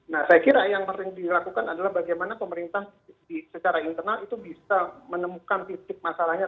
nah saya kira yang penting dilakukan adalah bagaimana pemerintah secara internal itu bisa menemukan titik masalahnya